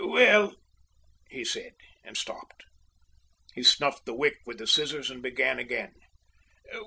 "Well " he said, and stopped. He snuffed the wick with the scissors and began again.